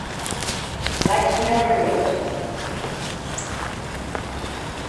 Vaig mirar el rellotge.